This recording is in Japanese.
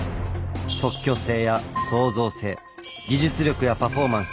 即興性や創造性技術力やパフォーマンス。